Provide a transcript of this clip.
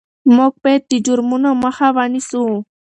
موږ باید د جرمونو مخه ونیسو.